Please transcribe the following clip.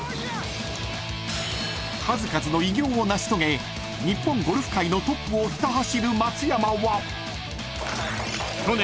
［数々の偉業を成し遂げ日本ゴルフ界のトップをひた走る松山は］